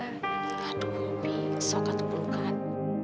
aduh opi kesokat tuh bukan